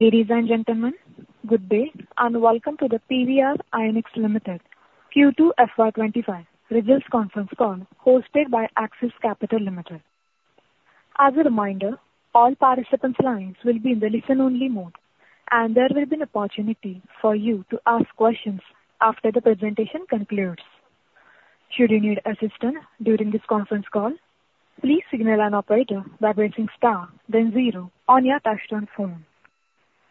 Ladies and gentlemen, good day, and welcome to the PVR INOX Limited Q2 FY 2025 Results Conference Call, hosted by Axis Capital Limited. As a reminder, all participants' lines will be in the listen-only mode, and there will be an opportunity for you to ask questions after the presentation concludes. Should you need assistance during this conference call, please signal an operator by pressing star then zero on your touchtone phone.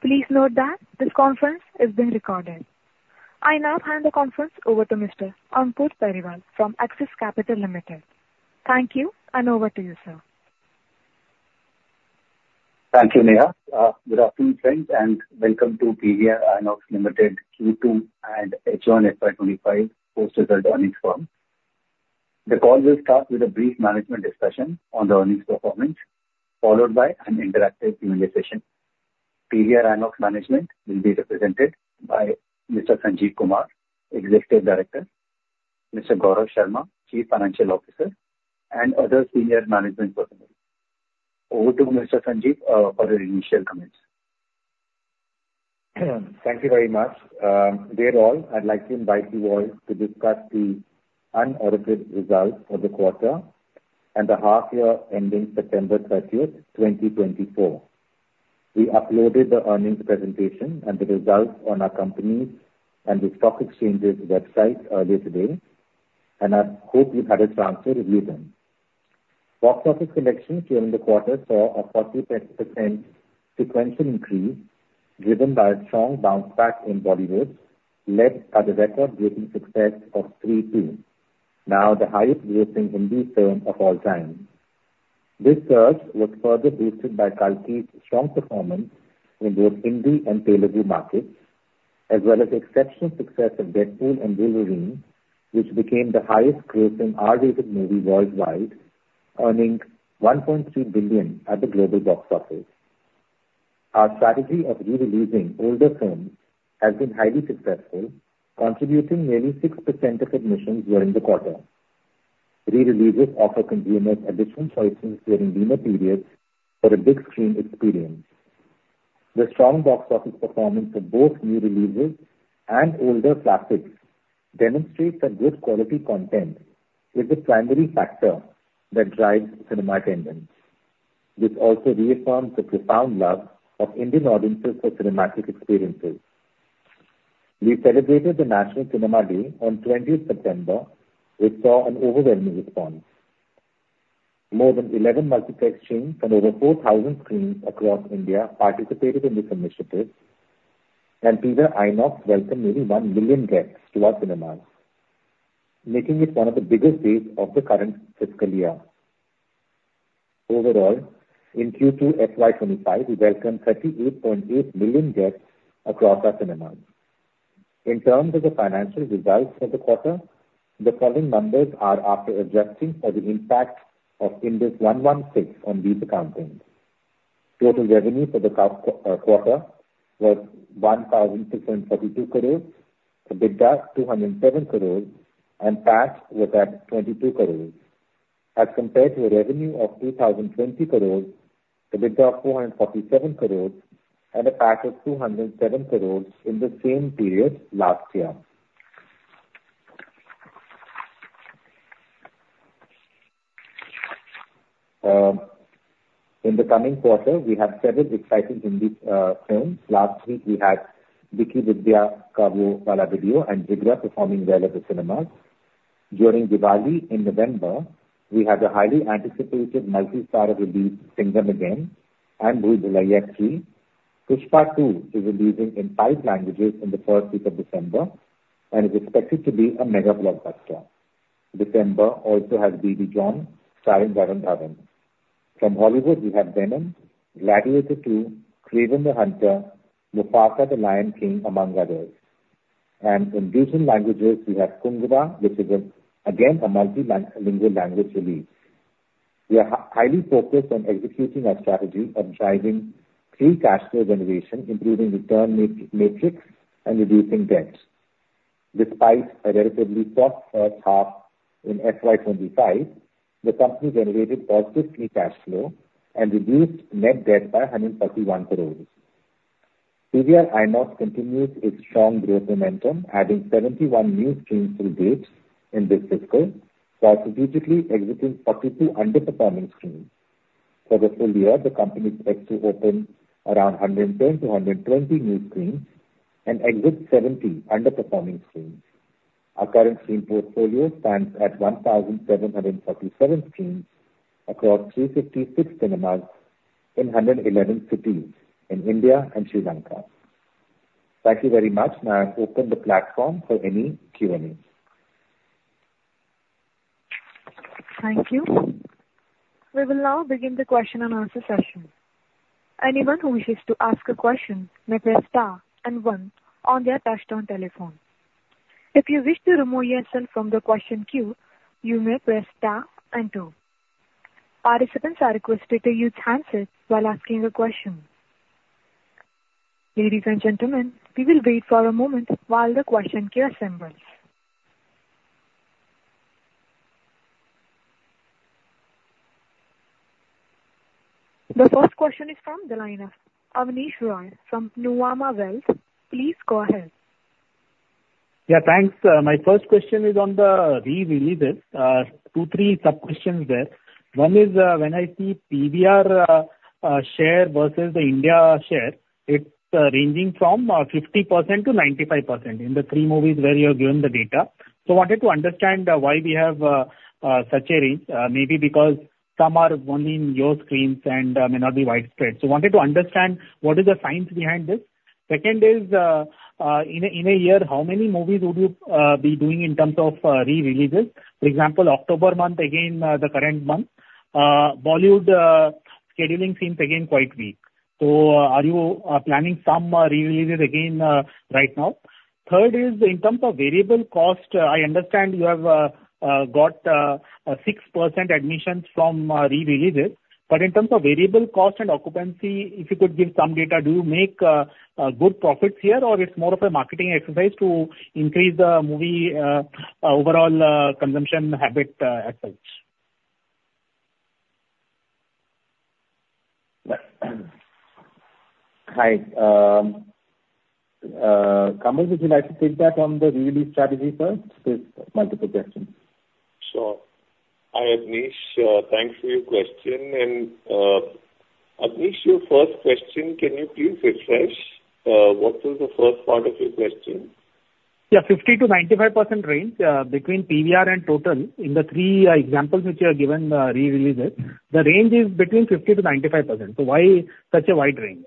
Please note that this conference is being recorded. I now hand the conference over to Mr. Ankush Pariwal from Axis Capital Limited. Thank you, and over to you, sir. Thank you, Neha. Good afternoon, friends, and welcome to PVR INOX Limited Q2 and H1 FY twenty-five post result earnings call. The call will start with a brief management discussion on the earnings performance, followed by an interactive Q&A session. PVR INOX management will be represented by Mr. Sanjeev Kumar, Executive Director, Mr. Gaurav Sharma, Chief Financial Officer, and other senior management personnel. Over to Mr. Sanjeev, for your initial comments. Thank you very much. Dear all, I'd like to invite you all to discuss the unaudited results for the quarter and the half year ending September thirtieth, 2024. We uploaded the earnings presentation and the results on our company's and the stock exchange's website earlier today, and I hope you've had a chance to review them. Box office collections during the quarter saw a 40% sequential increase, driven by a strong bounce back in Bollywood, led by the record-breaking success of Pathaan, now the highest grossing Hindi film of all time. This surge was further boosted by Kalki's strong performance in both Hindi and Telugu markets, as well as' the exceptional success of Deadpool & Wolverine, which became the highest grossing R-rated movie worldwide, earning $1.3 billion at the global box office. Our strategy of re-releasing older films has been highly successful, contributing nearly 6% of admissions during the quarter. Re-releases offer consumers additional choices during leaner periods for a big screen experience. The strong box office performance of both new releases and older classics demonstrates that good quality content is the primary factor that drives cinema attendance. This also reaffirms the profound love of Indian audiences for cinematic experiences. We celebrated the National Cinema Day on 20th September, which saw an overwhelming response. More than 11 multiplex chains and over 4,000 screens across India participated in this initiative, and PVR INOX welcomed nearly 1 million guests to our cinemas, making it one of the biggest days of the current fiscal year. Overall, in Q2 FY25, we welcomed 38.8 million guests across our cinemas. In terms of the financial results for the quarter, the following numbers are after adjusting for the impact of Ind AS 116 on lease accounting. Total revenue for the past quarter was 1,642 crores, EBITDA 207 crores, and PAT was at 22 crores, as compared to a revenue of 2,020 crores, EBITDA of 447 crores, and a PAT of 207 crores in the same period last year. In the coming quarter, we have several exciting Hindi films. Last week, we had Vicky Vidya Ka Woh Wala Video and Jigra performing well at the cinemas. During Diwali in November, we have the highly anticipated multi-starrer release Singham Again and Bhool Bhulaiyaa 3. Pushpa 2 is releasing in five languages in the first week of December and is expected to be a mega blockbuster. December also has Baby John Varun Dhawan. From Hollywood, we have Venom, Gladiator II, Kraven the Hunter, Mufasa: The Lion King, among others, and in different languages, we have Kanguva, which is, again, a multi-lingual language release. We are highly focused on executing our strategy of driving free cash flow generation, improving return matrix, and reducing debt. Despite a relatively tough half in FY 2025, the company generated positive free cash flow and reduced net debt by 131 crores. PVR INOX continues its strong growth momentum, adding 71 new screens to date in this fiscal, while strategically exiting 42 underperforming screens. For the full year, the company expects to open around 110 to 120 new screens and exit 70 underperforming screens. Our current screen portfolio stands at 1,737 screens across 356 cinemas in 111 cities in India and Sri Lanka. Thank you very much. May I open the platform for any Q&A? Thank you. We will now begin the question and answer session. Anyone who wishes to ask a question may press star and one on their touchtone telephone. If you wish to remove yourself from the question queue, you may press star and two. Participants are requested to use handsets while asking a question. Ladies and gentlemen, we will wait for a moment while the question queue assembles.... The first question is from the line of Avnish Roy from Nuvama Wealth. Please go ahead. Yeah, thanks. My first question is on the re-releases. Two, three sub-questions there. One is, when I see PVR share versus the India share, it's ranging from 50% to 95% in the three movies where you have given the data. So wanted to understand why we have such a range, maybe because some are only in your screens and may not be widespread. So wanted to understand what is the science behind this? Second is, in a year, how many movies would you be doing in terms of re-releases? For example, October month, again, the current month, Bollywood scheduling seems again quite weak. So are you planning some re-releases again right now? Third is, in terms of variable cost, I understand you have got a 6% admissions from re-releases. But in terms of variable cost and occupancy, if you could give some data. Do you make good profits here, or it's more of a marketing exercise to increase the movie overall consumption habit as such? Hi. Kamal, would you like to take that on the re-release strategy first? It's multiple questions. Sure. Hi, Avnish, thanks for your question. And, Avnish, your first question, can you please refresh what was the first part of your question? Yeah, 50%-95% range between PVR and total in the three examples which you have given, re-releases, the range is between 50%-95%. So why such a wide range?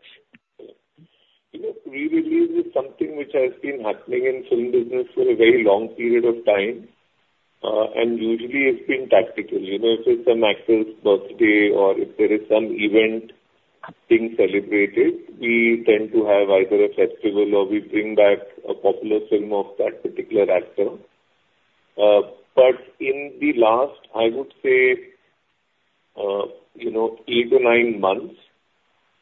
You know, re-release is something which has been happening in film business for a very long period of time, and usually it's been tactical. You know, if it's some actor's birthday or if there is some event being celebrated, we tend to have either a festival or we bring back a popular film of that particular actor. But in the last, I would say, you know, eight to nine months,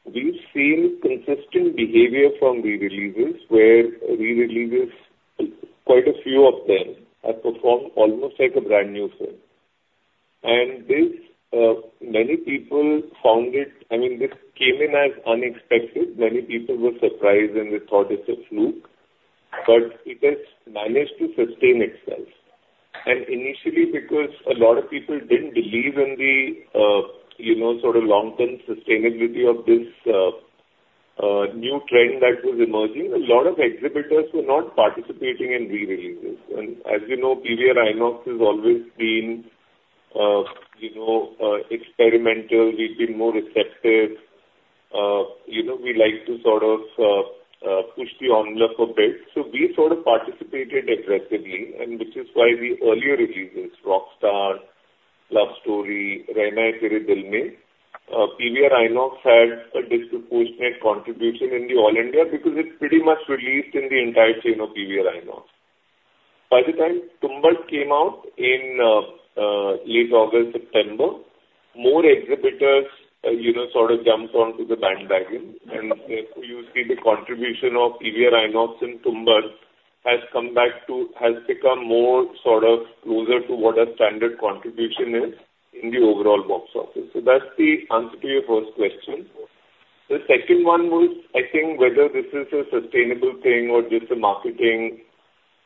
we've seen consistent behavior from re-releases, where re-releases, quite a few of them, have performed almost like a brand-new film. And this, many people found it... I mean, this came in as unexpected. Many people were surprised, and they thought it's a fluke, but it has managed to sustain itself. And initially, because a lot of people didn't believe in the, you know, sort of long-term sustainability of this, new trend that was emerging, a lot of exhibitors were not participating in re-releases. And as you know, PVR INOX has always been, you know, experimental. We've been more receptive. You know, we like to sort of, push the envelope a bit. So we sort of participated aggressively, and which is why the earlier releases, Rockstar, Love Story, Rehnaa Hai Terre Dil Mein, PVR INOX had a disproportionate contribution in the all India, because it pretty much released in the entire chain of PVR INOX. By the time Tumbbad came out in, late August, September, more exhibitors, you know, sort of jumped onto the bandwagon. You see the contribution of PVR INOX in Tumbbad has come back to, has become more sort of closer to what a standard contribution is in the overall box office. That's the answer to your first question. The second one was, I think, whether this is a sustainable thing or just a marketing,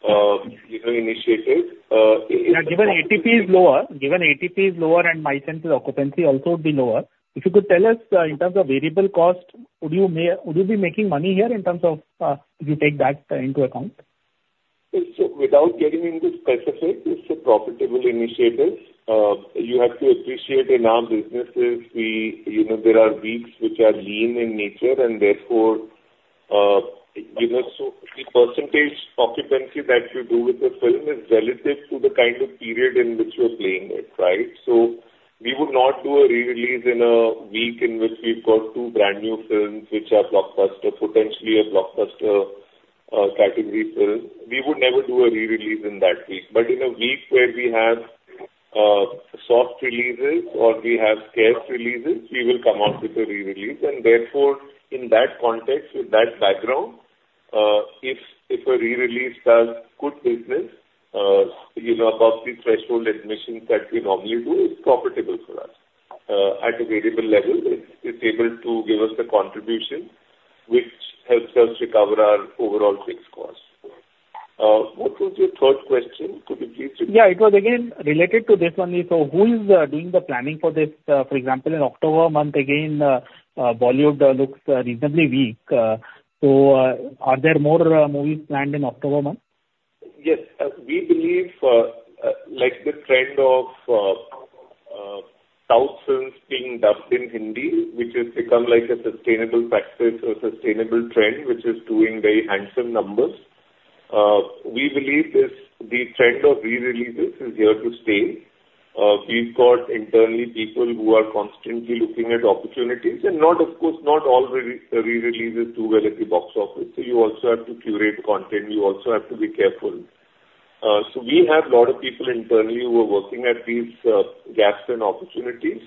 you know, initiative. It- Yeah, given ATP is lower, given ATP is lower and my sense is occupancy also would be lower. If you could tell us, in terms of variable cost, would you be making money here in terms of, if you take that into account? So without getting into specifics, it's a profitable initiative. You have to appreciate in our businesses, we, you know, there are weeks which are lean in nature, and therefore, you know, so the percentage occupancy that you do with the film is relative to the kind of period in which you're playing it, right? So we would not do a re-release in a week in which we've got two brand-new films which are blockbuster, potentially a blockbuster category film. We would never do a re-release in that week. But in a week where we have soft releases or we have scarce releases, we will come out with a re-release. And therefore, in that context, with that background, if a re-release does good business, you know, above the threshold admissions that we normally do, it's profitable for us. At a variable level, it's able to give us the contribution, which helps us recover our overall fixed costs. What was your third question? Could you please repeat? Yeah, it was again related to this only. So who is doing the planning for this? For example, in October month, again, Bollywood looks reasonably weak. So, are there more movies planned in October month? Yes. We believe, like the trend of, South films being dubbed in Hindi, which has become like a sustainable practice or sustainable trend, which is doing very handsome numbers. We believe this, the trend of re-releases is here to stay. We've got internally people who are constantly looking at opportunities and not, of course, not all re-releases do well at the box office. So you also have to curate content. You also have to be careful. So we have a lot of people internally who are working at these, gaps and opportunities.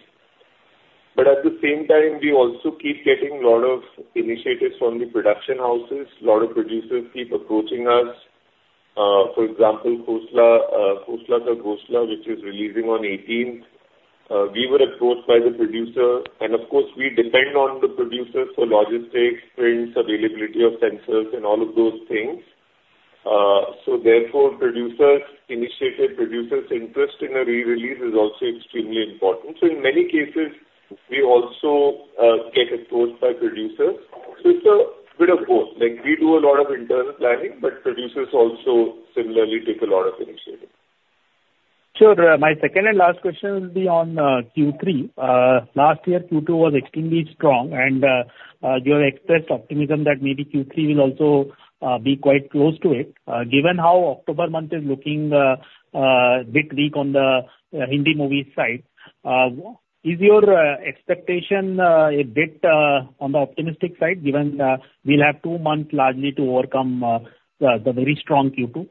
But at the same time, we also keep getting a lot of initiatives from the production houses. A lot of producers keep approaching us.... for example, Khosla Ka Ghosla, which is releasing on eighteenth. We were approached by the producer, and of course, we depend on the producers for logistics, prints, availability of censors, and all of those things. So therefore, producers' initiative, producers' interest in a re-release is also extremely important. So in many cases, we also get approached by producers. So it's a bit of both, like, we do a lot of internal planning, but producers also similarly take a lot of initiative. Sure. My second and last question will be on Q3. Last year, Q2 was extremely strong, and you have expressed optimism that maybe Q3 will also be quite close to it. Given how October month is looking, bit weak on the Hindi movie side, is your expectation a bit on the optimistic side, given we'll have two months largely to overcome the very strong Q2?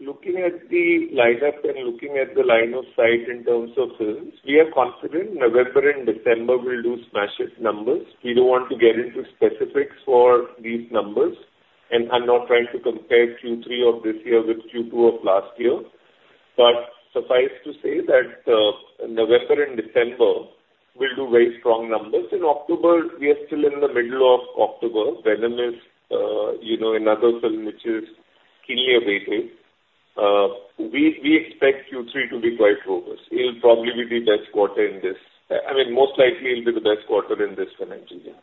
Looking at the lineup and looking at the line of sight in terms of films, we are confident November and December will do smashing numbers. We don't want to get into specifics for these numbers, and I'm not trying to compare Q3 of this year with Q2 of last year, but suffice to say that November and December will do very strong numbers. In October, we are still in the middle of October. Venom is, you know, another film which is keenly awaited. We expect Q3 to be quite robust. It'll probably be the best quarter in this. I mean, most likely it'll be the best quarter in this financial year.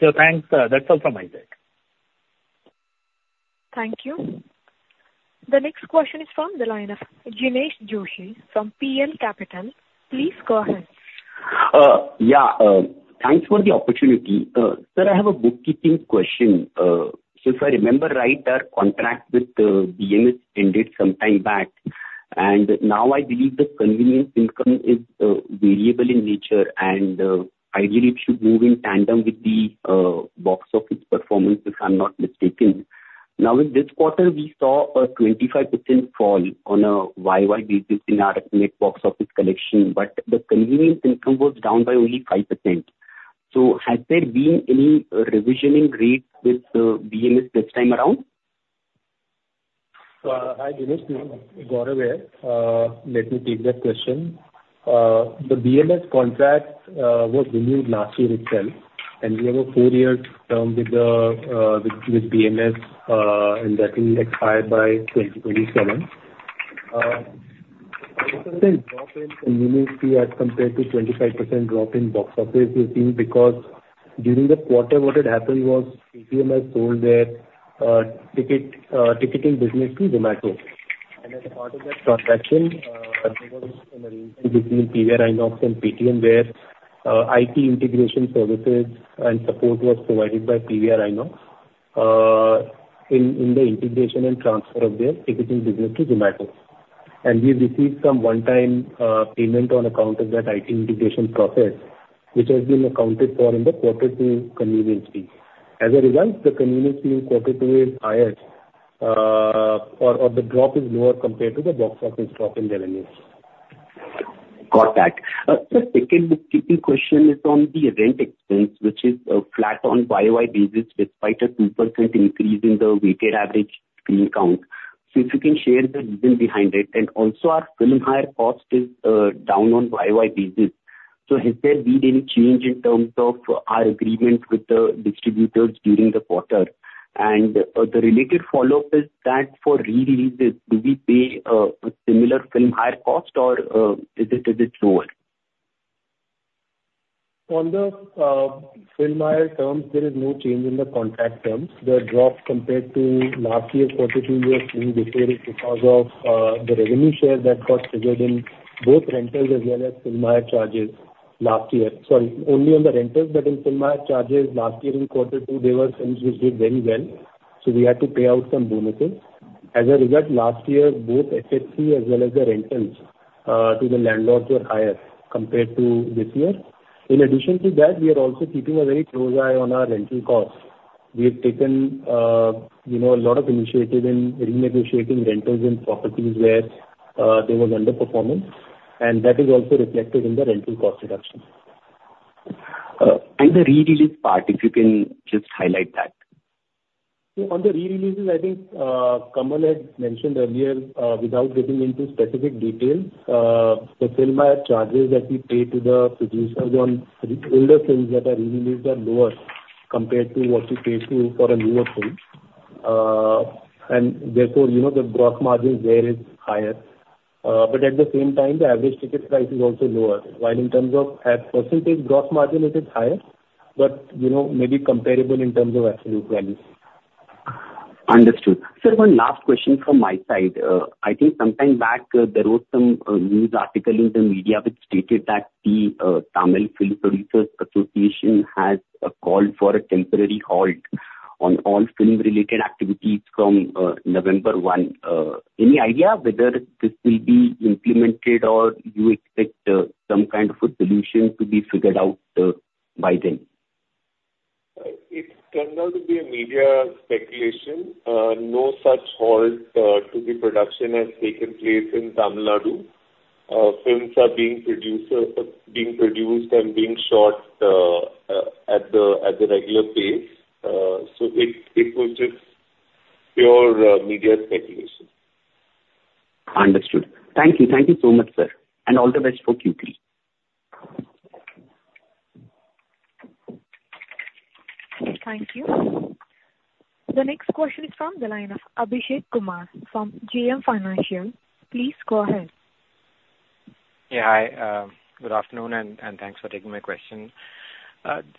Sir, thanks. That's all from my side. Thank you. The next question is from the line of Jinesh Joshi from Prabhudas Lilladher. Please go ahead. Yeah, thanks for the opportunity. Sir, I have a bookkeeping question. So if I remember right, our contract with BMS ended some time back, and now I believe the convenience income is variable in nature, and ideally it should move in tandem with the box office performance, if I'm not mistaken. Now, in this quarter, we saw a 25% fall on a YoY basis in our net box office collection, but the convenience income was down by only 5%. So has there been any revision in rates with BMS this time around? Hi, Jinesh. Gaurav here. Let me take that question. The BMS contract was renewed last year itself, and we have a four-year term with BMS, and that will expire by 2027. I think drop in convenience fee as compared to 25% drop in box office was seen because during the quarter, what had happened was Paytm had sold their ticketing business to Zomato. And as a part of that transaction, there was an arrangement between PVR INOX and Paytm, where IT integration services and support was provided by PVR INOX, in the integration and transfer of their ticketing business to Zomato. And we've received some one-time payment on account of that IT integration process, which has been accounted for in the quarter two convenience fee. As a result, the convenience fee in quarter two is higher, or the drop is lower compared to the box office drop in revenues. Got that. The second bookkeeping question is on the event expense, which is flat on YY basis, despite a 2% increase in the weighted average screen count. So if you can share the reason behind it, and also our film hire cost is down on YY basis. So has there been any change in terms of our agreement with the distributors during the quarter? And the related follow-up is that for re-releases, do we pay a similar film hire cost or is it lower? On the, film hire terms, there is no change in the contract terms. The drop compared to last year, quarter two, we are seeing this year is because of, the revenue share that got triggered in both rentals as well as film hire charges last year. Sorry, only on the rentals, but in film hire charges last year in quarter two, there were films which did very well, so we had to pay out some bonuses. As a result, last year, both FHC, as well as the rentals, to the landlords were higher compared to this year. In addition to that, we are also keeping a very close eye on our rental costs. We have taken, you know, a lot of initiative in renegotiating rentals and properties where, there was underperformance, and that is also reflected in the rental cost reduction. And the re-release part, if you can just highlight that. On the re-releases, I think Kamal had mentioned earlier without getting into specific details, the film hire charges that we pay to the producers on older films that are re-released are lower compared to what we pay for a newer film. Therefore, you know, the gross margin there is higher, but at the same time, the average ticket price is also lower. While in terms of as percentage gross margin, it is higher, but you know, maybe comparable in terms of absolute value. Understood. Sir, one last question from my side. I think sometime back, there was some news article in the media which stated that the Tamil Film Producers Association has called for a temporary halt on all film-related activities from November one. Any idea whether this will be implemented, or you expect some kind of a solution to be figured out by then? It turned out to be a media speculation. No such halt to the production has taken place in Tamil Nadu.... films are being produced and being shot at the regular pace. So it was just pure media speculation. Understood. Thank you. Thank you so much, sir, and all the best for Q3. Thank you. The next question is from the line of Abhishek Kumar from JM Financial. Please go ahead. Yeah, hi, good afternoon, and thanks for taking my question.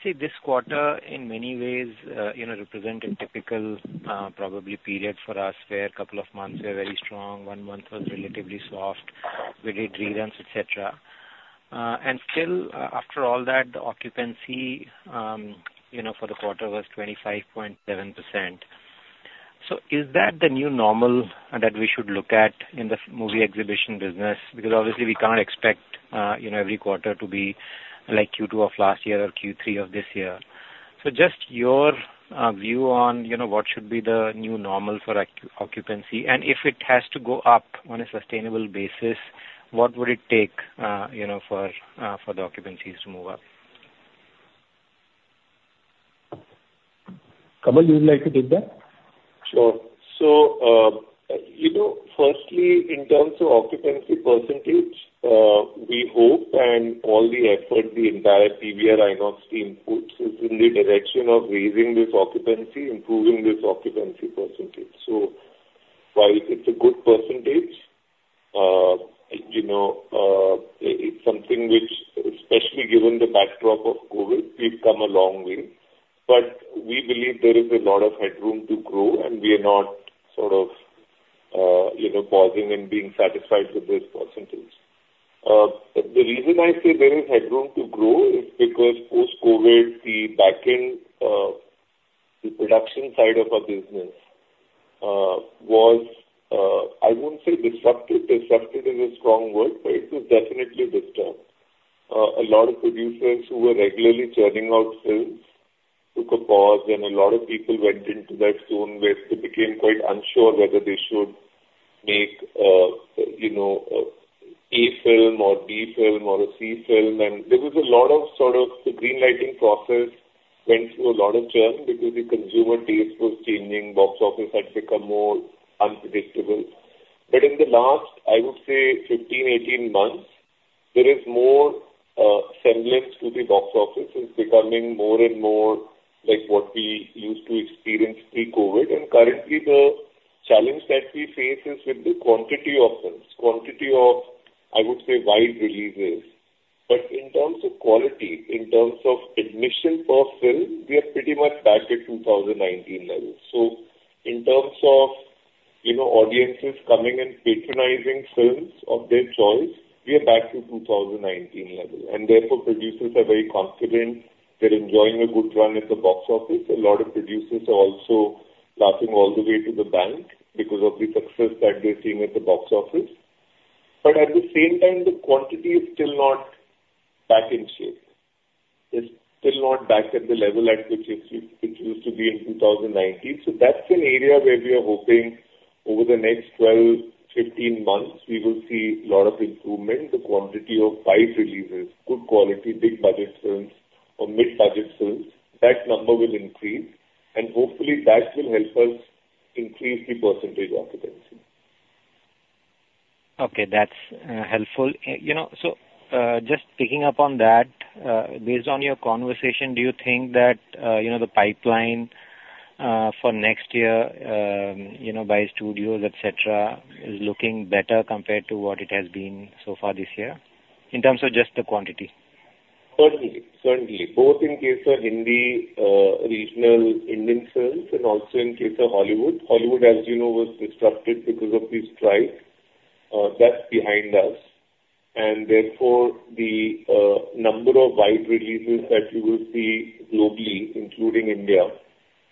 See, this quarter, in many ways, you know, represented typical probably period for us, where a couple of months were very strong, one month was relatively soft. We did reruns, et cetera. Still, after all that, the occupancy, you know, for the quarter was 25.7%. So is that the new normal that we should look at in the movie exhibition business? Because obviously we can't expect, you know, every quarter to be like Q2 of last year or Q3 of this year. So just your view on, you know, what should be the new normal for occupancy, and if it has to go up on a sustainable basis, what would it take, you know, for the occupancies to move up? Kamal, would you like to take that? Sure. So, you know, firstly, in terms of occupancy percentage, we hope and all the effort, the entire PVR INOX team puts is in the direction of raising this occupancy, improving this occupancy percentage. So while it's a good percentage, you know, it's something which, especially given the backdrop of COVID, we've come a long way, but we believe there is a lot of headroom to grow, and we are not sort of, you know, pausing and being satisfied with this percentage. The reason I say there is headroom to grow is because post-COVID, the back end, the production side of our business, was. I wouldn't say disrupted. Disrupted is a strong word, but it was definitely disturbed. A lot of producers who were regularly churning out films took a pause, and a lot of people went into that zone where they became quite unsure whether they should make, you know, a A film or B film or a C film. And there was a lot of, sort of the green lighting process went through a lot of churn because the consumer taste was changing, box office had become more unpredictable. But in the last, I would say fifteen, eighteen months, there is more, semblance to the box office. It's becoming more and more like what we used to experience pre-COVID. And currently, the challenge that we face is with the quantity of films, quantity of, I would say, wide releases. But in terms of quality, in terms of admission per film, we are pretty much back at two thousand and nineteen levels. So in terms of, you know, audiences coming and patronizing films of their choice, we are back to two thousand and nineteen level, and therefore, producers are very confident. They're enjoying a good run at the box office. A lot of producers are also laughing all the way to the bank because of the success that they're seeing at the box office. But at the same time, the quantity is still not back in shape. It's still not back at the level at which it used to be in two thousand and nineteen. So that's an area where we are hoping over the next twelve, fifteen months, we will see a lot of improvement. The quantity of wide releases, good quality, big budget films or mid-budget films, that number will increase, and hopefully that will help us increase the percentage occupancy. Okay, that's helpful. You know, so just picking up on that, based on your conversation, do you think that, you know, the pipeline for next year, you know, by studios, et cetera, is looking better compared to what it has been so far this year, in terms of just the quantity? Certainly. Certainly, both in case of Hindi, regional Indian films and also in case of Hollywood. Hollywood, as you know, was disrupted because of the strike. That's behind us, and therefore, the number of wide releases that you will see globally, including India,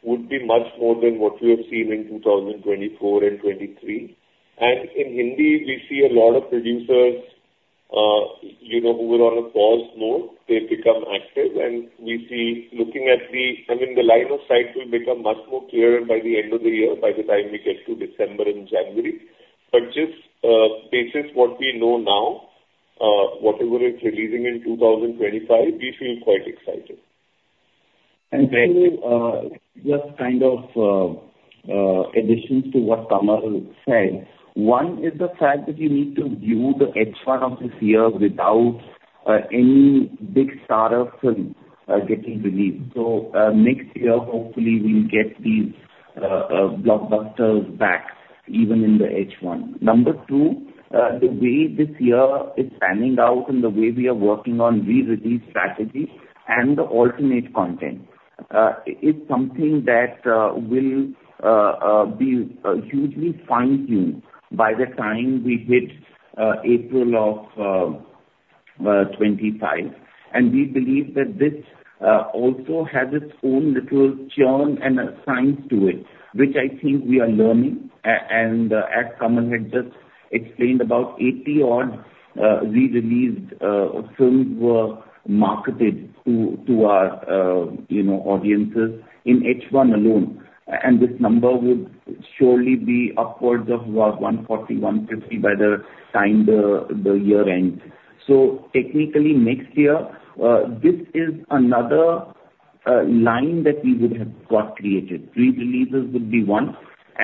would be much more than what we have seen in two thousand and twenty-four and twenty-three. And in Hindi, we see a lot of producers, you know, who were on a pause mode, they've become active, and we see looking at the... I mean, the line of sight will become much more clearer by the end of the year, by the time we get to December and January. But just, basis what we know now, whatever is releasing in two thousand and twenty-five, we feel quite excited. And then, just kind of, additions to what Kamal said. One is the fact that you need to view the H1 of this year without any big starter films getting released. So, next year, hopefully we'll get these blockbusters back, even in the H1. Number two, the way this year is panning out and the way we are working on re-release strategy and the alternate content, it's something that will be hugely fine-tuned by the time we hit April of 2025. And we believe that this also has its own little charm and a science to it, which I think we are learning. And, as Kamal had just explained, about eighty odd re-released films were marketed to our you know audiences in H1 alone. And this number would surely be upwards of one forty, one fifty by the time the year ends. So technically, next year, this is another-... a line that we would have got created. Pre-releases would be one,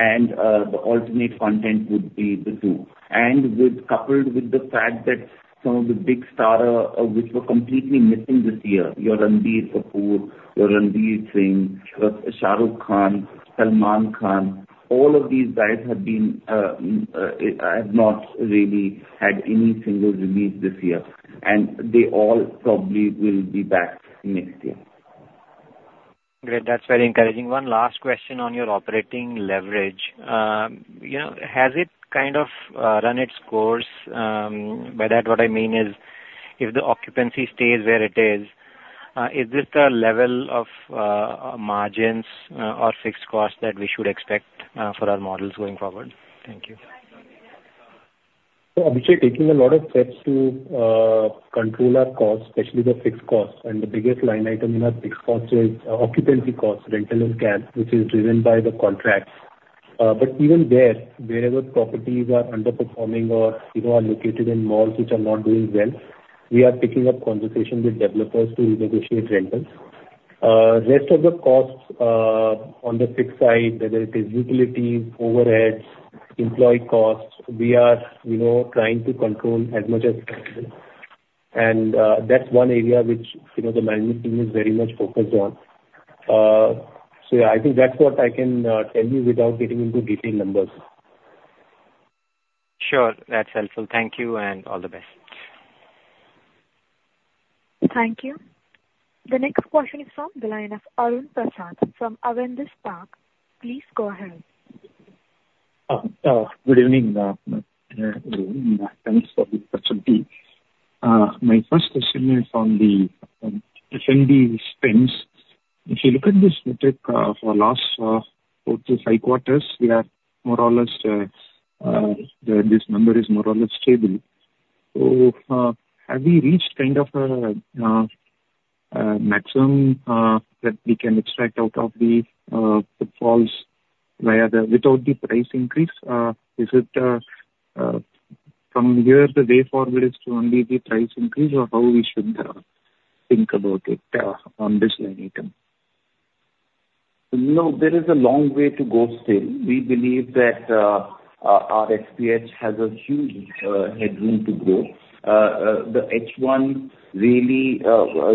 and, the alternate content would be the two. And, coupled with the fact that some of the big star which were completely missing this year, your Ranbir Kapoor, your Ranveer Singh, Shah Rukh Khan, Salman Khan, all of these guys have not really had any single release this year, and they all probably will be back next year. Great! That's very encouraging. One last question on your operating leverage. You know, has it kind of run its course? By that what I mean is, if the occupancy stays where it is, is this the level of margins, or fixed costs that we should expect for our models going forward? Thank you. So Abhishek, taking a lot of steps to control our costs, especially the fixed costs, and the biggest line item in our fixed costs is occupancy costs, rental and CapEx, which is driven by the contracts, but even there, wherever properties are underperforming or, you know, are located in malls which are not doing well, we are picking up conversations with developers to renegotiate rentals, rest of the costs on the fixed side, whether it is utilities, overheads, employee costs, we are, you know, trying to control as much as possible, and that's one area which, you know, the management team is very much focused on, so yeah, I think that's what I can tell you without getting into detailed numbers. Sure, that's helpful. Thank you, and all the best. Thank you. The next question is from the line of Arun Prasad from Avendus Spark. Please go ahead. Good evening, and thanks for the opportunity. My first question is on the F&B spends. If you look at this metric for last four to five quarters, we are more or less this number is more or less stable. So, have we reached kind of a maximum that we can extract out of the footfalls via the without the price increase? Is it from here, the way forward is to only the price increase, or how we should think about it on this line item? No, there is a long way to go still. We believe that our FPH has a huge headroom to grow. The H1 really,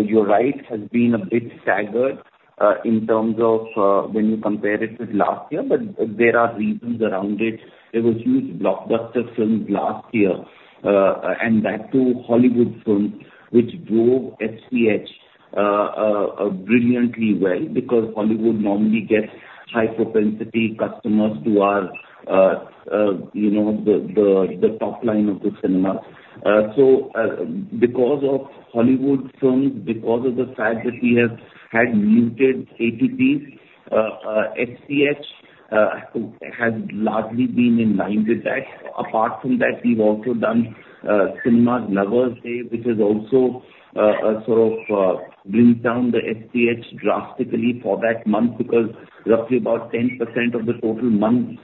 you're right, has been a bit staggered in terms of when you compare it with last year, but there are reasons around it. There was huge blockbuster films last year, and that too, Hollywood films, which drove FPH brilliantly well. Because Hollywood normally gets high propensity customers who are, you know, the top line of the cinema. So, because of Hollywood films, because of the fact that we have had muted ATPs, FPH has largely been in line with that. Apart from that, we've also done Cinema Lovers' Day, which has also sort of brings down the FPH drastically for that month, because roughly about 10% of the total month's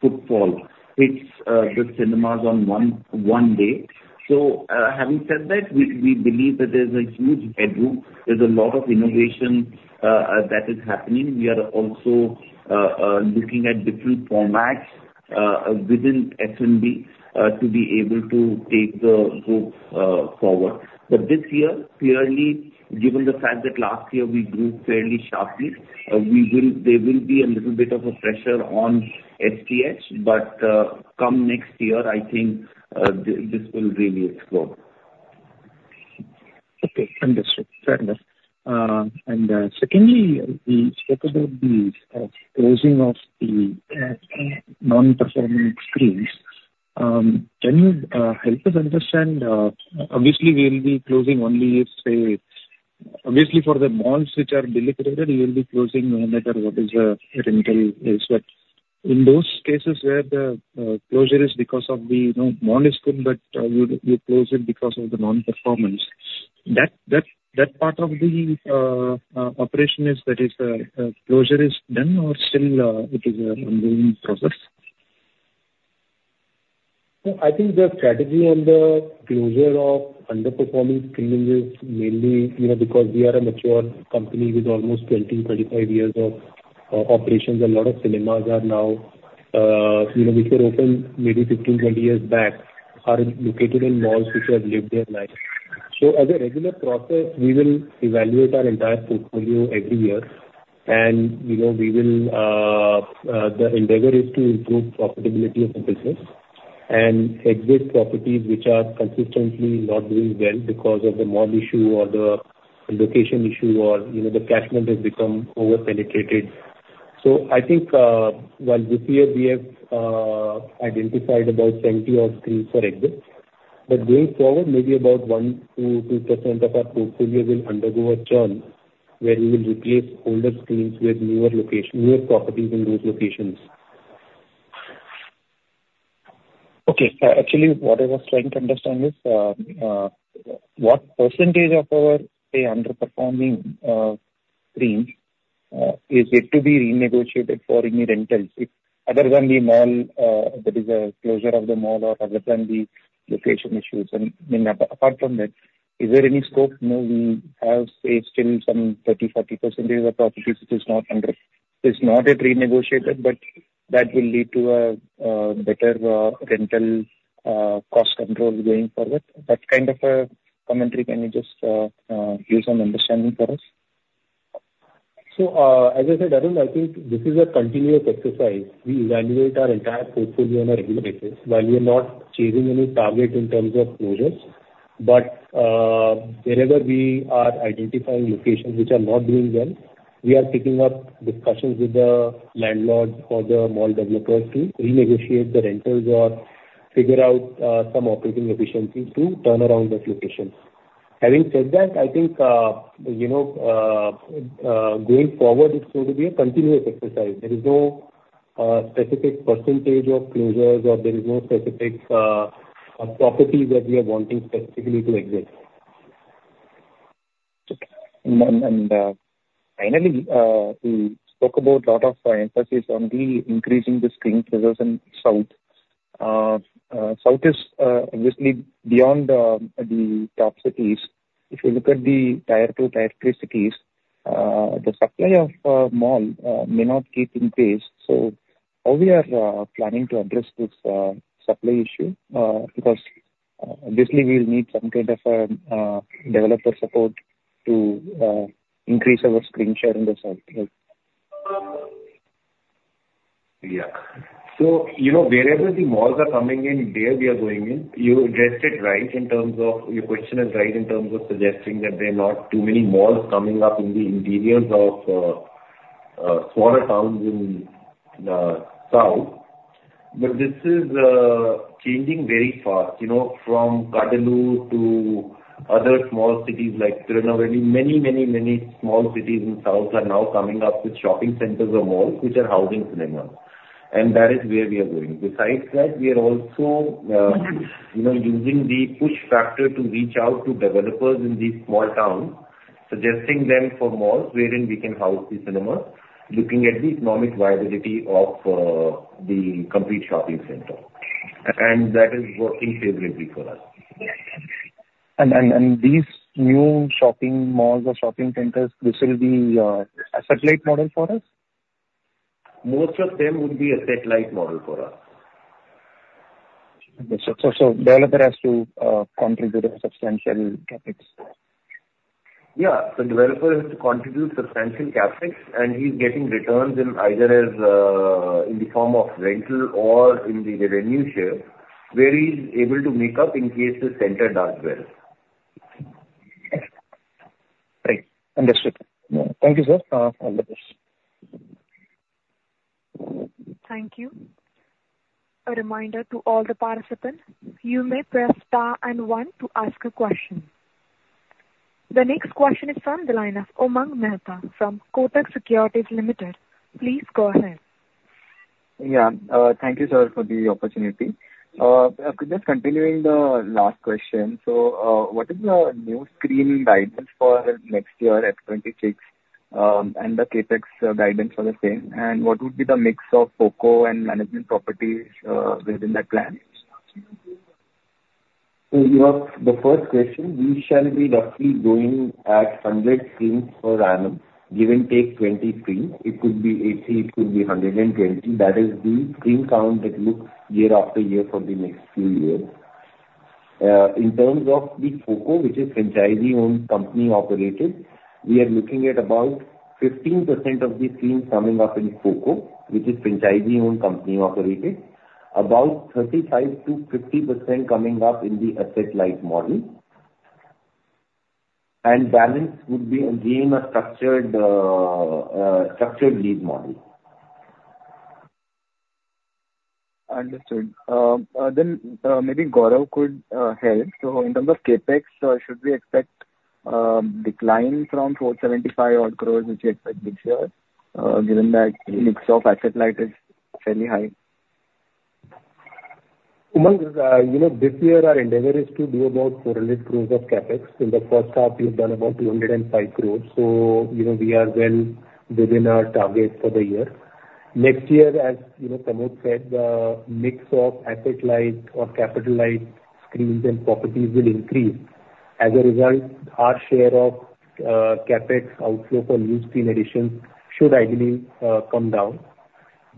footfall hits the cinemas on one day. So, having said that, we believe that there's a huge headroom, there's a lot of innovation that is happening. We are also looking at different formats within F&B to be able to take the group forward. But this year, clearly, given the fact that last year we grew fairly sharply, there will be a little bit of a pressure on FPH, but come next year, I think this will really explode. Okay, understood. Fair enough. And, secondly, we spoke about the closing of the non-performing screens. Can you help us understand, obviously we will be closing only if, say, obviously for the malls which are deliberated, we will be closing no matter what is rental is. But in those cases where the closure is because of the, you know, mall is good, but we close it because of the non-performance, that part of the operation is, that is, closure is done or still it is an ongoing process? I think the strategy on the closure of underperforming screens is mainly, you know, because we are a mature company with almost twenty, twenty-five years of operations. A lot of cinemas are now, you know, which were open maybe fifteen, twenty years back, are located in malls which have lived their life. So as a regular process, we will evaluate our entire portfolio every year, and, you know, we will, the endeavor is to improve profitability of the business and exit properties which are consistently not doing well because of the mall issue or the location issue or, you know, the catchment has become over-penetrated. So I think, well, this year we have identified about seventy odd screens for exit. Going forward, maybe about 1-2% of our portfolio will undergo a churn, where we will replace older screens with newer properties in those locations. Okay. Actually, what I was trying to understand is, what percentage of our, say, underperforming screens is it to be renegotiated for any rentals if other than the mall, that is a closure of the mall or other than the location issues? And, I mean, apart from that, is there any scope? You know, we have, say, still some 30%-40% of the properties which is not it's not yet renegotiated, but that will lead to a better rental cost control going forward. That kind of a commentary, can you just give some understanding for us? So, as I said, Arun, I think this is a continuous exercise. We evaluate our entire portfolio on a regular basis, while we are not chasing any target in terms of closures. But, wherever we are identifying locations which are not doing well, we are picking up discussions with the landlords or the mall developers to renegotiate the rentals or figure out, some operating efficiencies to turn around those locations. Having said that, I think, you know, going forward, it's going to be a continuous exercise. There is no, specific percentage of closures, or there is no specific, properties that we are wanting specifically to exit. Okay. And finally, you spoke about a lot of emphasis on increasing the screen presence in the South. South is obviously beyond the top cities. If you look at the tier two, tier three cities, the supply of malls may not keep pace, so how are we planning to address this supply issue? Because obviously we'll need some kind of developer support to increase our screen share in the South. Right? Yeah. So, you know, wherever the malls are coming in, there we are going in. You guessed it right in terms of... Your question is right in terms of suggesting that there are not too many malls coming up in the interiors of smaller towns in south. But this is changing very fast. You know, from Cuddalore to other small cities like Tirunelveli, many, many, many small cities in south are now coming up with shopping centers or malls which are housing cinemas, and that is where we are going. Besides that, we are also, you know, using the push factor to reach out to developers in these small towns, suggesting them for malls wherein we can house the cinema, looking at the economic viability of the complete shopping center. And that is working favorably for us. These new shopping malls or shopping centers, this will be asset-light model for us? Most of them would be asset-light model for us. So, the developer has to contribute a substantial CapEx? Yeah. The developer has to contribute substantial CapEx, and he's getting returns in either as, in the form of rental or in the revenue share, where he's able to make up in case the center does well. Right. Understood. Thank you, sir. All the best. Thank you. A reminder to all the participants, you may press star and one to ask a question. The next question is from the line of Umang Mehta, from Kotak Securities Limited. Please go ahead. Yeah. Thank you, sir, for the opportunity. Just continuing the last question, so, what is the new screen guidance for next year, at twenty-six, and the CapEx guidance for the same? And what would be the mix of FoCO and management properties, within that plan? So you have the first question, we shall be roughly going at 100 screens per annum, give and take 20 screens. It could be 80, it could be 120. That is the screen count that looks year after year for the next few years. In terms of the FoCO, which is Franchisee-Owned, Company-Operated, we are looking at about 15% of the screens coming up in FoCO, which is Franchisee-Owned, Company-Operated. About 35% to 50% coming up in the asset-light model. And balance would be again, a structured lease model. Understood. Then, maybe Gaurav could help. So in terms of CapEx, should we expect decline from 475 odd crores, which you expected this year, given that mix of asset-light is fairly high? Umang, you know, this year our endeavor is to do about 400 crores of CapEx. In the first half, we've done about 205 crores, so you know, we are well within our target for the year. Next year, as you know, Pramod said, the mix of asset-light or capital-light screens and properties will increase. As a result, our share of CapEx outflow for new screen addition should ideally come down.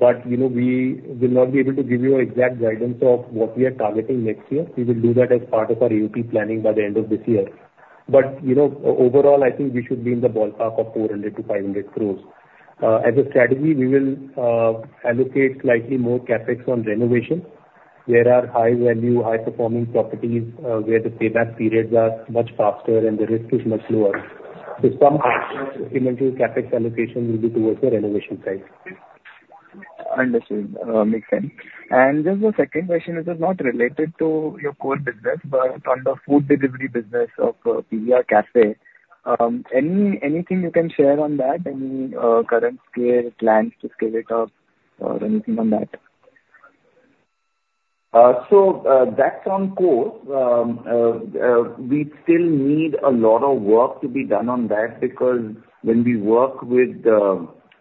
But, you know, we will not be able to give you an exact guidance of what we are targeting next year. We will do that as part of our AP planning by the end of this year. But, you know, overall, I think we should be in the ballpark of 400-500 crores. As a strategy, we will allocate slightly more CapEx on renovation. There are high value, high performing properties, where the payback periods are much faster and the risk is much lower. So some additional CapEx allocation will be towards the renovation side. Understood. Makes sense. And just the second question, which is not related to your core business, but on the food delivery business of PVR Café. Anything you can share on that? Any current scale plans to scale it up or anything on that?... So, that's on course. We still need a lot of work to be done on that, because when we work with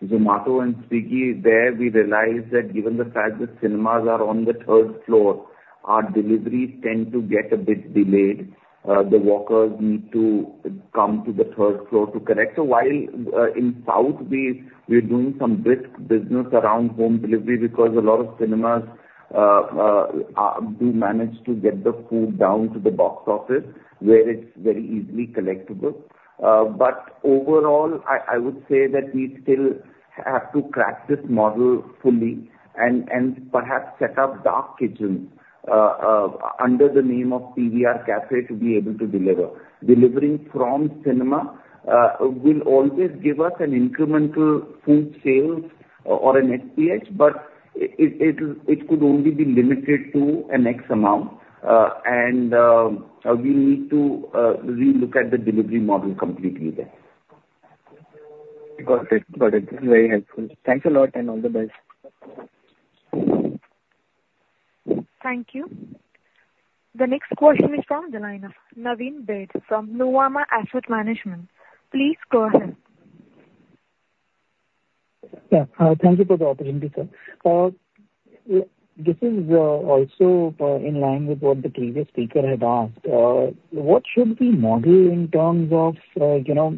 Zomato and Swiggy, there, we realized that given the fact that cinemas are on the third floor, our deliveries tend to get a bit delayed. The walkers need to come to the third floor to collect. So while in south, we, we're doing some brisk business around home delivery because a lot of cinemas do manage to get the food down to the box office, where it's very easily collectible. But overall, I would say that we still have to crack this model fully and perhaps set up dark kitchens under the name of PVR Café to be able to deliver. Delivering from cinema will always give us an incremental food sales or an FPH, but it could only be limited to an X amount, and we need to relook at the delivery model completely there. Got it, got it. This is very helpful. Thanks a lot, and all the best. Thank you. The next question is from the line of Naveen Baid from Nuvama Asset Management. Please go ahead. Yeah. Thank you for the opportunity, sir. This is also in line with what the previous speaker had asked. What should we model in terms of, you know,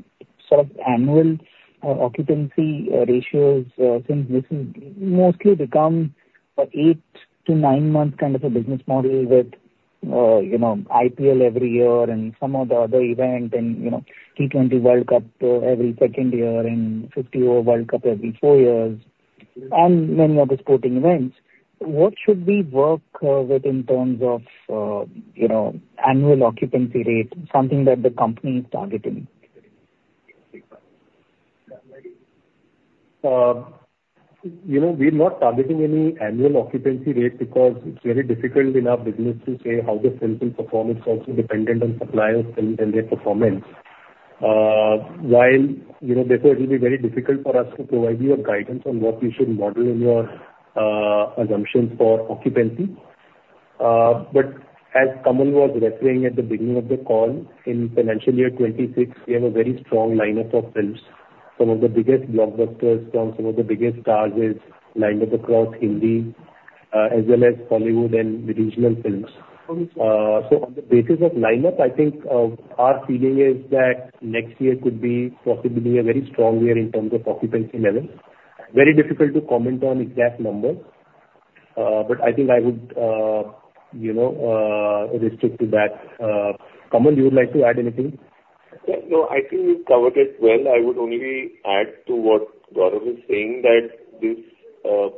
sort of annual occupancy ratios, since this is mostly become a eight to nine-month kind of a business model with, you know, IPL every year and some of the other event, and, you know, T20 World Cup every second year, and fifty over World Cup every four years, and many other sporting events. What should we work with in terms of, you know, annual occupancy rate, something that the company is targeting? You know, we're not targeting any annual occupancy rate because it's very difficult in our business to say how the films will perform. It's also dependent on suppliers and their performance. While, you know, therefore it will be very difficult for us to provide you a guidance on what you should model in your assumptions for occupancy. But as Kamal was referring at the beginning of the call, in financial year 2026, we have a very strong lineup of films. Some of the biggest blockbusters from some of the biggest stars is lined up across Hindi, as well as Hollywood and the regional films. So on the basis of lineup, I think our feeling is that next year could be possibly a very strong year in terms of occupancy levels. Very difficult to comment on exact numbers, but I think I would, you know, restrict to that. Kamal, you would like to add anything? Yeah, no, I think you covered it well. I would only add to what Gaurav is saying, that this,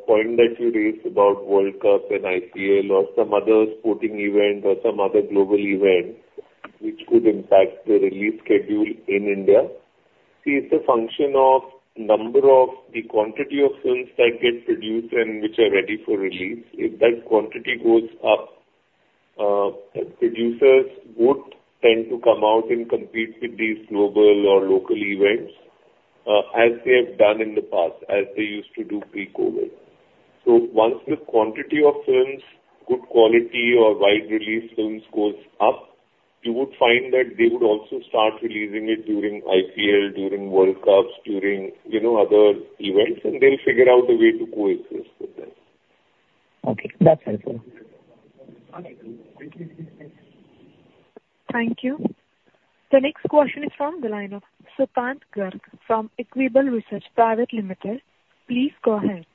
point that you raised about World Cup and IPL or some other sporting event or some other global event which could impact the release schedule in India, see, it's a function of number of the quantity of films that get produced and which are ready for release. If that quantity goes up, the producers would tend to come out and compete with these global or local events, as they have done in the past, as they used to do pre-COVID. So once the quantity of films, good quality or wide-release films goes up, you would find that they would also start releasing it during IPL, during World Cups, during, you know, other events, and they'll figure out a way to coexist with that. Okay. That's helpful. Thank you. The next question is from the line of Sukkant Garg from Equirus Securities. Please go ahead.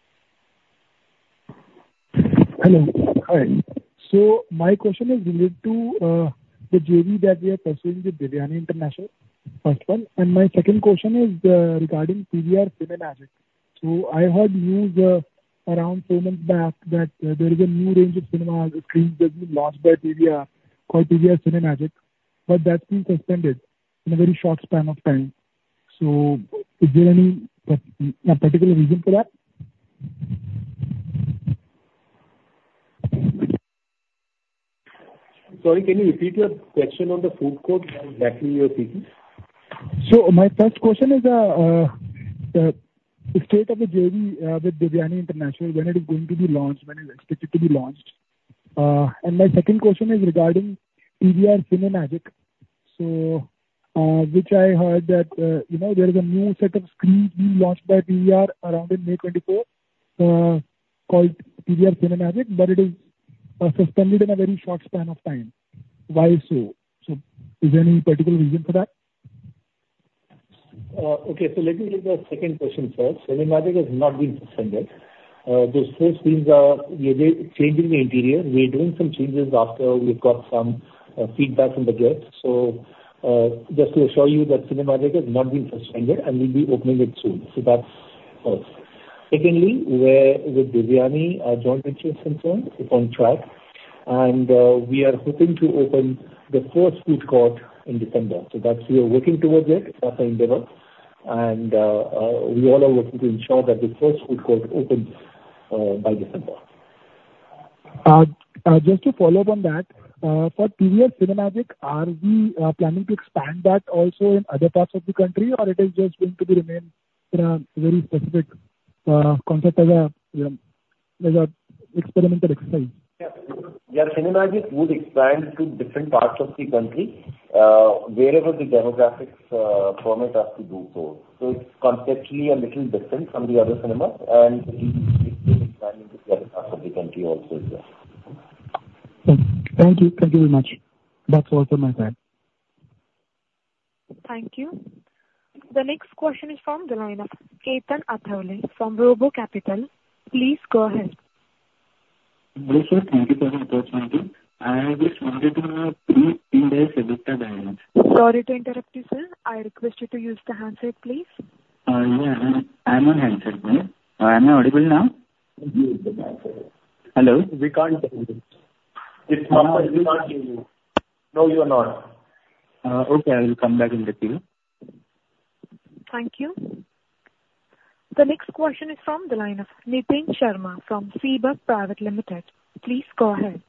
Hello. Hi. My question is related to the JV that we are pursuing with Devyani International, first one. My second question is regarding PVR Cinemagic. I heard news around four months back that there is a new range of cinema screens that have been launched by PVR, called PVR Cinemagic, but that's been suspended in a very short span of time. Is there any particular reason for that? Sorry, can you repeat your question on the food court? I'm losing your signal. So my first question is, the state of the JV with Devyani International, when it is going to be launched, when it's expected to be launched? And my second question is regarding PVR Cinemagic. So, which I heard that, you know, there is a new set of screens being launched by PVR around in May 2024, called PVR Cinemagic, but it is suspended in a very short span of time. Why so? So is there any particular reason for that? Okay, so let me take the second question first. Cinemagic has not been suspended. Those first things are, we are changing the interior. We're doing some changes after we've got some feedback from the guests. So, just to assure you that Cinemagic has not been suspended, and we'll be opening it soon. So that's first. Secondly, where with Devyani, our joint venture is concerned, it's on track, and we are hoping to open the first food court in December. So that's... We are working towards it, that's our endeavor, and we all are working to ensure that the first food court opens by December. Just to follow up on that, for PVR Cinemagic, are we planning to expand that also in other parts of the country, or it is just going to remain in a very specific concept as a, you know, as a experimental exercise? Yeah. Yeah, Cinemagic would expand to different parts of the country, wherever the demographics permit us to do so. So it's conceptually a little different from the other cinemas, and we expanding to other parts of the country also, yes. Thank you. Thank you very much. That's all for my side. Thank you. The next question is from the line of Ketan Athavale from RoboCapital. Please go ahead. Gaurav sir, thank you. I just wanted to know pre-COVID EBITDA guidance. Sorry to interrupt you, sir. I request you to use the handset, please. Yeah, I'm on, I am on handset, ma'am. Am I audible now? Mm-hmm, inaudible. Hello? We can't hear you. It's not, we can't hear you. No, you are not. Okay. I will come back in the queue. Thank you. The next question is from the line of Nitin Sharma from CIBRC Private Limited. Please go ahead.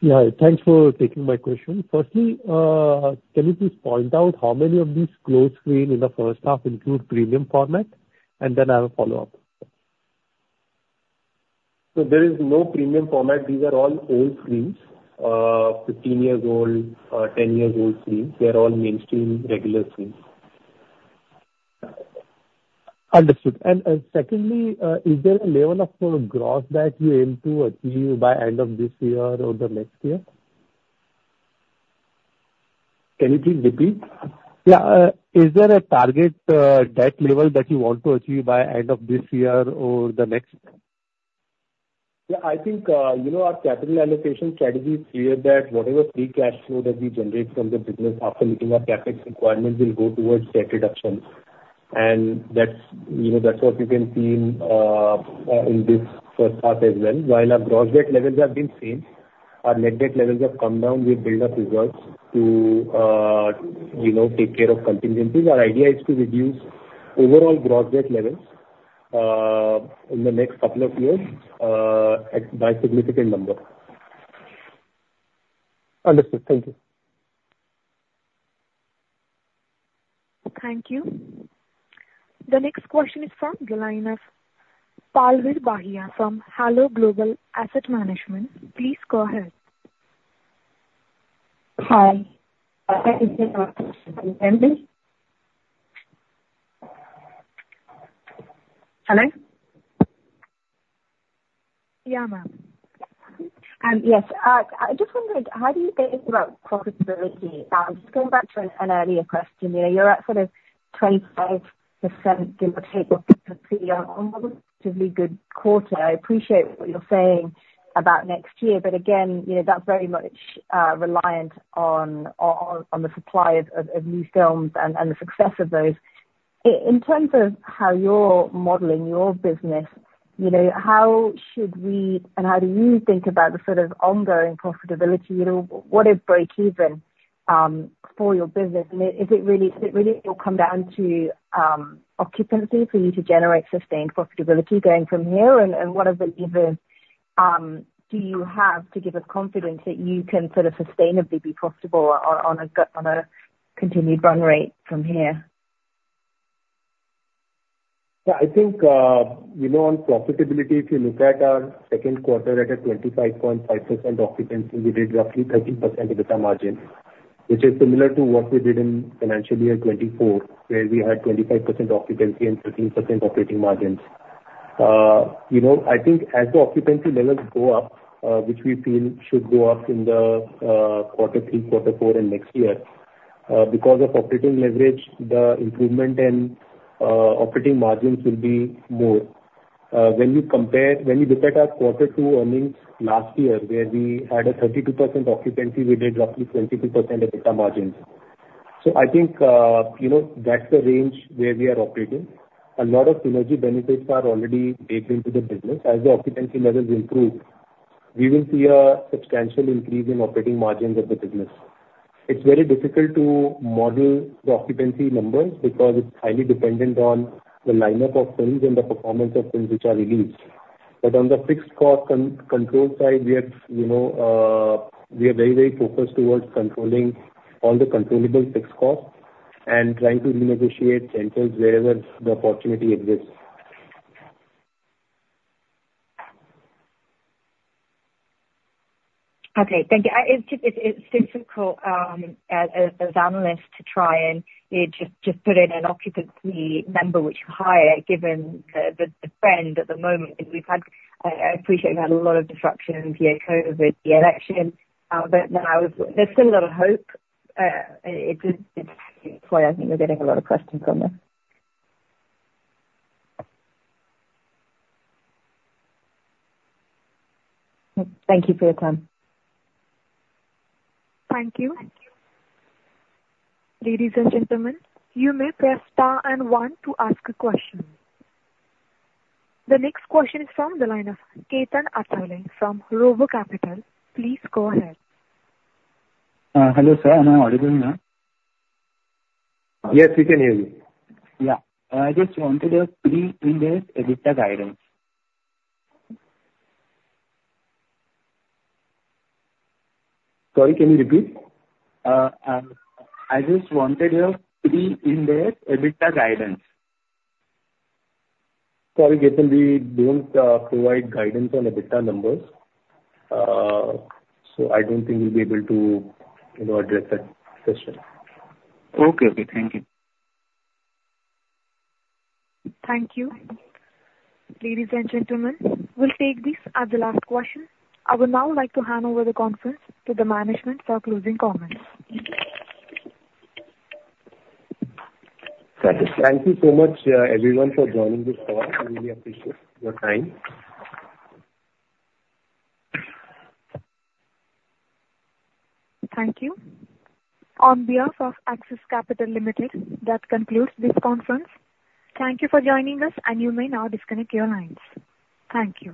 Yeah, thanks for taking my question. Firstly, can you please point out how many of these closed screens in the first half include premium format? And then I have a follow-up. So there is no premium format. These are all old screens, 15 years old, 10 years old screens. They are all mainstream, regular screens. Understood. And, secondly, is there a level of growth that you aim to achieve by end of this year or the next year? Can you please repeat? Yeah, is there a target debt level that you want to achieve by end of this year or the next? Yeah, I think, you know, our capital allocation strategy is clear, that whatever Free Cash Flow that we generate from the business, after meeting our CapEx requirements, will go towards debt reduction. And that's, you know, that's what you can see in this first half as well. While our gross debt levels have been same, our net debt levels have come down. We've built up reserves to, you know, take care of contingencies. Our idea is to reduce overall gross debt levels in the next couple of years by significant number. Understood. Thank you. Thank you. The next question is from the line of Palvir Bahia from Halo Global Asset Management. Please go ahead. Hi. Can you hear me? Hello? Yeah, ma'am. Yes. I just wondered, how do you think about profitability? Just going back to an earlier question, you know, you're at sort of 25% in the EBITDA, relatively good quarter. I appreciate what you're saying about next year, but again, you know, that's very much reliant on the supply of new films and the success of those. In terms of how you're modeling your business, you know, how should we, and how do you think about the sort of ongoing profitability? You know, what is breakeven for your business? And is it really, it really will come down to occupancy for you to generate sustained profitability going from here? What are the levers do you have to give us confidence that you can sort of sustainably be profitable on a continued run rate from here? Yeah, I think, you know, on profitability, if you look at our second quarter at a 25.5% occupancy, we did roughly 13% EBITDA margin, which is similar to what we did in financial year 2024, where we had 25% occupancy and 13% operating margins. You know, I think as the occupancy levels go up, which we feel should go up in the quarter three, quarter four and next year, because of operating leverage, the improvement and operating margins will be more. When you compare. When you look at our quarter two earnings last year, where we had a 32% occupancy, we did roughly 22% EBITDA margins. So I think, you know, that's the range where we are operating. A lot of synergy benefits are already baked into the business. As the occupancy levels improve, we will see a substantial increase in operating margins of the business. It's very difficult to model the occupancy numbers, because it's highly dependent on the lineup of films and the performance of films which are released. But on the fixed cost control side, we have, you know, we are very, very focused towards controlling all the controllable fixed costs and trying to renegotiate rentals wherever the opportunity exists. Okay, thank you. It's difficult as analysts to try and, you know, just put in an occupancy number which is higher, given the trend at the moment. Because we've had, I appreciate we've had a lot of disruption via COVID, the election, but now there's still a lot of hope. It's why I think we're getting a lot of questions on this. Thank you for your time. Thank you. Ladies and gentlemen, you may press star and one to ask a question. The next question is from the line of Ketan Athavale from RoboCapital. Please go ahead. Hello, sir, am I audible now? Yes, we can hear you. Yeah. I just wanted a pre-COVID EBITDA guidance. Sorry, can you repeat? I just wanted your pre-COVID EBITDA guidance. Sorry, Ketan, we don't provide guidance on EBITDA numbers. So I don't think we'll be able to, you know, address that question. Okay, okay. Thank you. Thank you. Ladies and gentlemen, we'll take this as the last question. I would now like to hand over the conference to the management for closing comments. Thank you so much, everyone, for joining this call. I really appreciate your time. Thank you. On behalf of Axis Capital Limited, that concludes this conference. Thank you for joining us, and you may now disconnect your lines. Thank you.